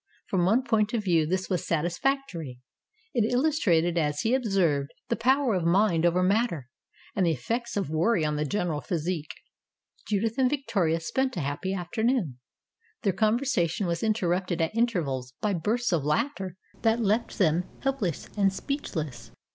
From one point of view this was satisfactory. It illustrated, as he observed, the power of mind over matter, and the effects of worry on the general physique. 252 STORIES WITHOUT TEARS Judith and Victoria spent a happy afternoon. Their conversation was interrupted at intervals by bursts of laughter that left them helpless and speechless.